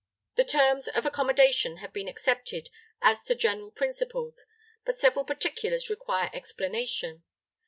The terms of accommodation have been accepted as to general principles, but several particulars require explanation.